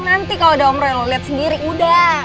nanti kalau udah om rey lo liat sendiri udah